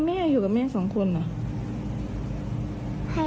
แม่อยู่กับแม่สองคนเหรอ